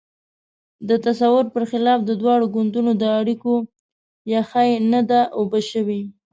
د تصور پر خلاف د دواړو ګوندونو د اړیکو یخۍ نه ده اوبه شوې.